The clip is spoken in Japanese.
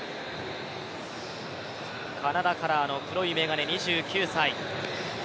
カナダカラーの黒い眼鏡２９歳。